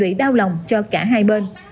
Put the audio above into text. bị đau lòng cho cả hai bên